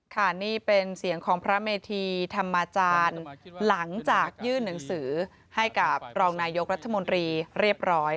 ค่ะนี่เป็นเสียงของพระเมธีธรรมาจารย์หลังจากยื่นหนังสือให้กับรองนายกรัฐมนตรีเรียบร้อย